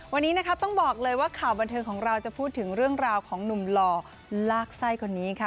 วันนี้นะคะต้องบอกเลยว่าข่าวบันเทิงของเราจะพูดถึงเรื่องราวของหนุ่มหล่อลากไส้คนนี้ค่ะ